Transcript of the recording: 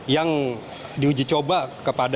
yang diuji coba kepada